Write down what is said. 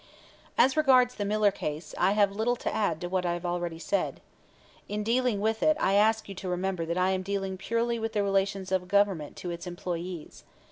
"As regards the Miller case, I have little to add to what I have already said. In dealing with it I ask you to remember that I am dealing purely with the relation of the Government to its employees.